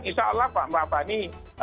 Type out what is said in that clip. insya allah pak mbak fani